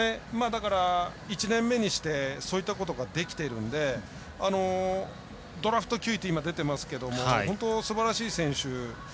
だから、１年目にしてそういったことができているんでドラフト９位って今、出てますけど本当にすばらしい選手。